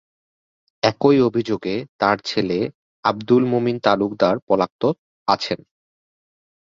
একই অভিযোগে তার ছেলে আব্দুল মোমিন তালুকদার পলাতক আছেন।